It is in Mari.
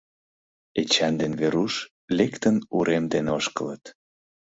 Эчан ден Веруш, лектын, урем дене ошкылыт.